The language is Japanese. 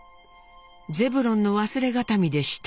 ゼブロンの忘れ形見でした。